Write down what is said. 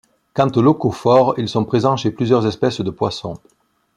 Quant aux leucophores, ils sont présents chez plusieurs espèces de poissons.